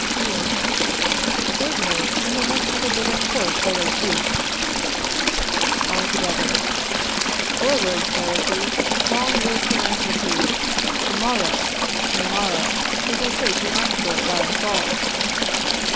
Jean. Certainly. And they must have a bit of pork for their soup. All Together. Forward, charity! Long live philanthropy! To morrow, to morrow, we will take the octroi by assault.